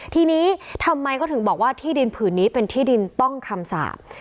ทีนี้ทำไมเขาถึงบอกว่าที่ดินผืนนี้เป็นที่ดินต้องคำสาป